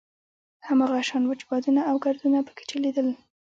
هماغه شان وچ بادونه او ګردونه په کې چلېدل.